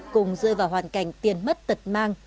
cùng rơi vào hoàn cảnh tiền mất tật mang